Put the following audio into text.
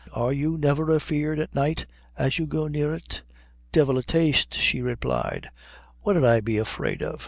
Are you never afeard at night, as you go near it?" "Divil a taste," she replied; "what 'ud I be afeard of?